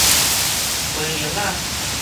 花苓仔